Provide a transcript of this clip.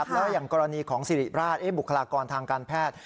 แล้วอย่างกรณีของบุคลากรทางการแพทย์